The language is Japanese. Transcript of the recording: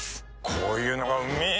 こういうのがうめぇ